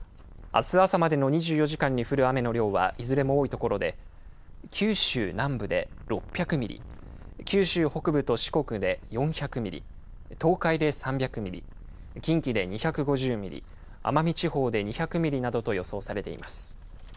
あす朝までの２４時間に降る雨の量はいずれも多い所で、九州南部で６００ミリ、九州北部と四国で４００ミリ、東海で３００ミリ、近畿で２５０ミリ、奄美地方で２００ミリなどと予想されています。